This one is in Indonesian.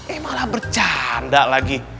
emang lah bercanda lagi